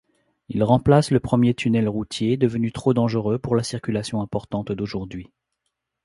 Il remplace le premier tunnel routier devenu trop dangereux pour la circulation importante d'aujourd'hui.